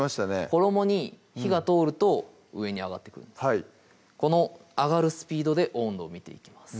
衣に火が通ると上に上がってくるんですこの上がるスピードで温度を見ていきます